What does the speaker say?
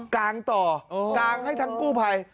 กางต่อกางให้ทั้งกู้ภัย